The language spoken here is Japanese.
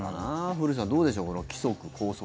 古市さん、どうでしょうこの規則、校則。